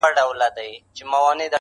o خو د کلي دننه درد لا هم ژوندی دی,